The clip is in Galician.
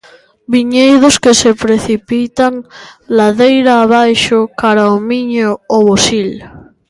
Viñedos que se precipitan ladeira abaixo, cara o Miño ou o Sil.